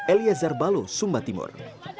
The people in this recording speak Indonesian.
elia zarbalo sumba timur